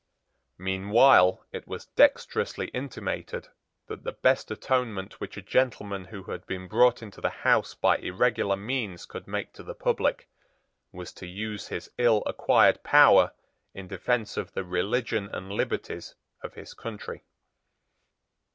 Meanwhile it was dexterously intimated that the best atonement which a gentleman who had been brought into the House by irregular means could make to the public was to use his ill acquired power in defence of the religion and liberties of his country.